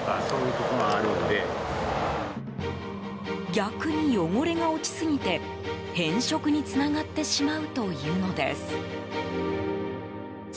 逆に汚れが落ちすぎて変色につながってしまうというのです。